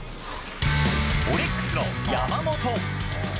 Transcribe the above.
オリックスの山本。